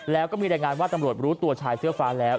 แล้วก็มีรายงานว่าตำรวจรู้ตัวชายเสื้อฟ้าแล้ว